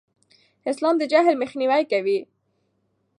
اسلام د جهل مخنیوی کوي.